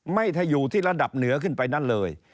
ไม่ได้อยู่ที่ระดับเหนือขึ้นไปนั่นเลย